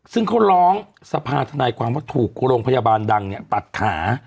ซึ่งเขาร้องสภาธนายความว่าถูกโรงพยาบาลดังเนี่ยตัดขา